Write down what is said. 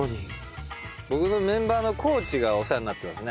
僕のメンバーの地がお世話になってますね